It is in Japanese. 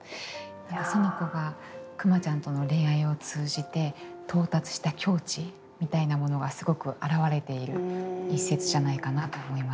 苑子がくまちゃんとの恋愛を通じて到達した境地みたいなものがすごく表れている一節じゃないかなと思います。